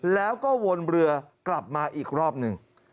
แล้วก็วนเรือกลับมาอีกรอบหนึ่ง